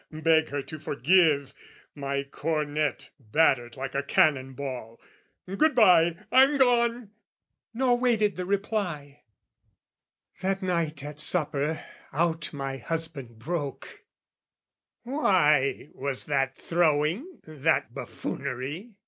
Beg her to forgive! "My cornet battered like a cannon ball. "Good bye, I'm gone!" nor waited the reply. That night at supper, out my husband broke, "Why was that throwing, that buffoonery?